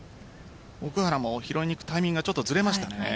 奥原も拾いに行くタイミングがずれましたね。